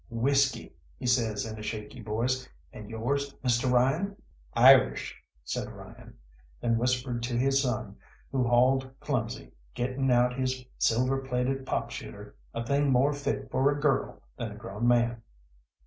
"Whisky," says he in a shaky voice, "and yours, Mr. Ryan?" "Irish," said Ryan, then whispered to his son, who hauled clumsy, getting out his silver plated pop shooter, a thing more fit for a girl than a grown man.